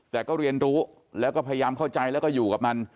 แต่ก็เรียนรู้แล้วก็พยายามเข้าใจแล้วก็อยู่กับมัน